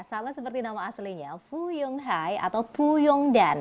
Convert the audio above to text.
sama seperti nama aslinya fuyung hai atau fuyung dan